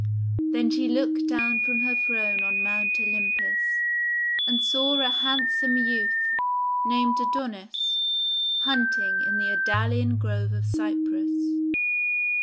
Then she looked down from her throne on Mount Olympus, and saw a handsome youth, named Adonis, hunting in the Idalian Grove of Cyprus.